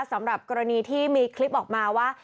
สำหรับกรณีที่มีคลิปออกมาว่า